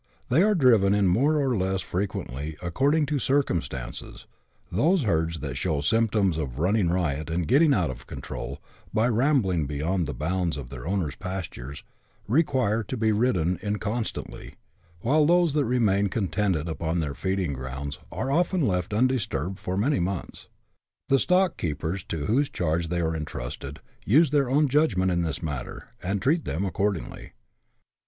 They are driven in more or less frequently according to circumstances ; those herds that show symptoms of running riot and getting out of control, by rambling beyond the bounds of their owner's pastures, require to be ridden in con stantly, while those that remain contented upon their feeding grounds are often left undisturbed for many months ; the stock keepers to whose charge they are entrusted, use their own judgment in this matter, and treat them accordingly.